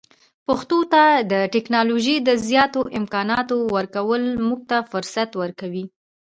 پښتو ته د ټکنالوژۍ د زیاتو امکاناتو ورکول موږ ته فرصت ورکوي.